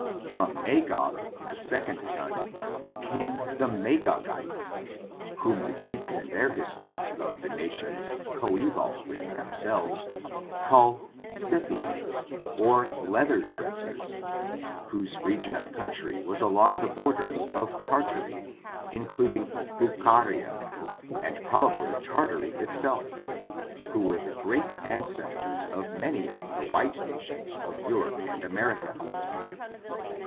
From Maooo, the second son, came the Magogites, whom the Greeks in their histories of the nations coeval with themselves, call Scythians or leather dressers, whose rogion of country was along the bor ders of Tartary, including Bucharia, and probably Tartary itself, who were the great ancestors of many of the white nations of Europe and America.